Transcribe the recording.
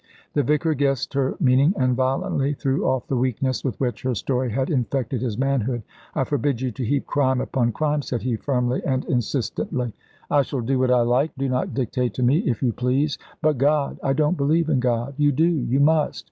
The vicar guessed her meaning, and violently threw off the weakness with which her story had infected his manhood. "I forbid you to heap crime upon crime," said he, firmly and insistently. "I shall do what I like. Do not dictate to me, if you please." "But God " "I don't believe in God." "You do; you must.